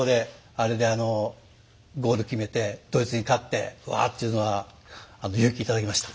あれであのゴール決めてドイツに勝ってワーッというのは勇気頂きました。